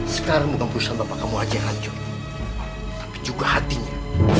sekarang bukan urusan bapak kamu aja hancur tapi juga hatinya